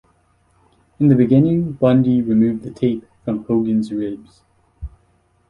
In the beginning, Bundy removed the tape from Hogan's ribs.